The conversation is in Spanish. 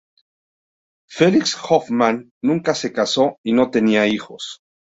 Felix Hoffmann nunca se casó y no tenía hijos.